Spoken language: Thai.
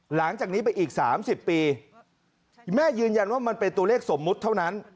หลังจากนี้ไปอีก๓๐ปีแม่ยืนยันว่ามันเป็นตัวเลขสมมุติเท่านั้น